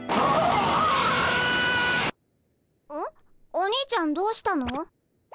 お兄ちゃんどうしたの？